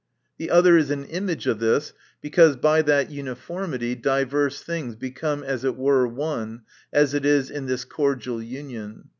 The other is an image of this, because by that uniform ity, diverse things become as it were one, as it is in this cordial union.